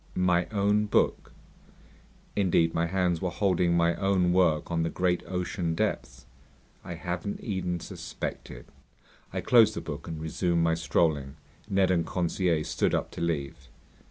"My own book?" Indeed, my hands were holding my own work on the great ocean depths. I hadn't even suspected. I closed the book and resumed my strolling. Ned and Conseil stood up to leave.